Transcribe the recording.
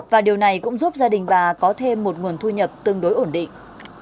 và điều này cũng giúp gia đình bà có thêm một nguồn thu nhập tương đối ổn định